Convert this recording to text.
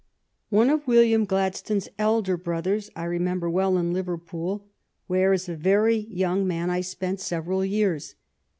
One of William Gladstone's elder brothers I re member well in Liverpool, where as a very young "THE GLEDSTANES" 5 man I spent several years.